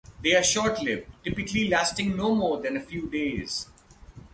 They are short-lived, typically lasting no more than a few days.